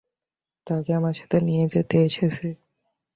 তাকে আমার সাথে নিয়ে যেতে এসেছি।